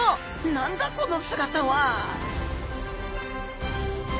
何だこの姿は！？